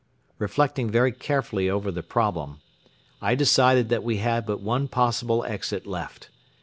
Reflecting very carefully over the problem, I decided that we had but one possible exit left.